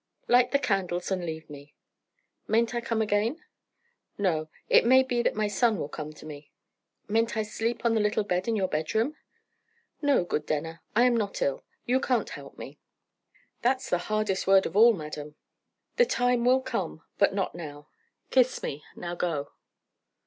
"Light the candles and leave me." "Mayn't I come again?" "No. It may be that my son will come to me." "Mayn't I sleep on the little bed in your bedroom?" "No, good Denner; I am not ill. You can't help me." "That's the hardest word of all, madam." "The time will come but not now. Kiss me. Now go."